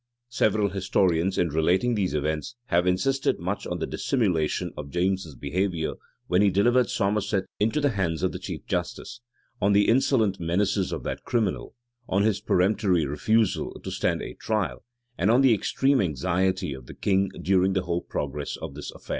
[] Several historians,[] in relating these events, have insisted much on the dissimulation of James's behavior, when he delivered Somerset into the hands of the chief justice; on the insolent menaces of that criminal; on his peremptory refusal to stand a trial; and on the extreme anxiety of the king during the whole progress of this affair.